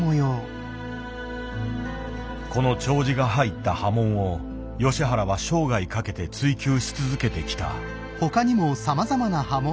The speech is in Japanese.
この丁子が入った刃文を吉原は生涯かけて追求し続けてきた。